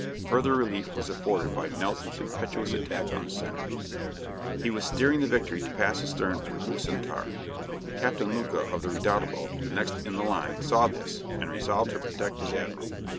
Further relief was afforded by Nelson's impetuous attack on the centre. He was steering the "Victory" to pass astern of the "Bucentaure." Captain Lucas, of the "Redoutable," the next in the line, saw this, and resolved to protect his admiral.